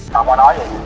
con bảo em đi đừng mẹ ơi